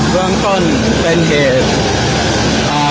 เบื้องต้นเป็นเหตุ